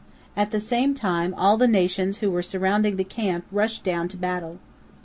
At the same time, all the nations who were surrounding the camp rushed down to battle.